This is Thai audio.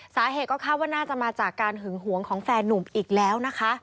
สาเหตุก็คาดว่าน่าจะมาจากการหึงหวงของแฟนนุ่มอีกแล้วนะคะ